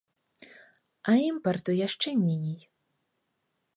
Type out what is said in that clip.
А імпарту яшчэ меней.